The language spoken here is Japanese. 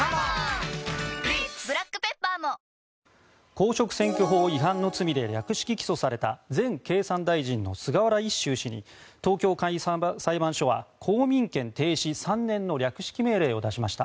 公職選挙法違反の罪で略式起訴された前経産大臣の菅原一秀氏に東京簡易裁判所は公民権停止３年の略式命令を出しました。